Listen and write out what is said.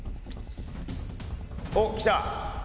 おっきた！